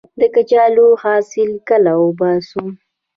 د کچالو حاصل کله وباسم؟